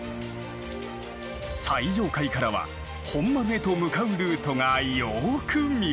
最上階からは本丸へと向かうルートがよく見渡せる。